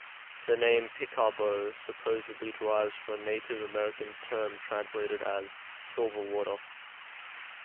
The name "Picabo" supposedly derives from a Native American term translated as "silver water".